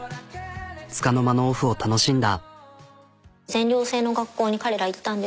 つかの間のオフを楽しんだ。